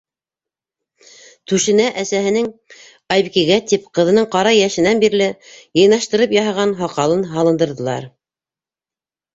Түшенә, әсәһенең Айбикәгә тип, ҡыҙының ҡара йәшенән бирле йыйнаштырып яһаған һаҡалын һалындырҙылар.